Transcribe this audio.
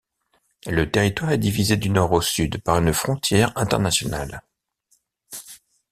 Le territoire est divisé du nord au sud par une frontière internationale.